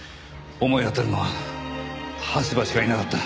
思い当たるのは羽柴しかいなかった。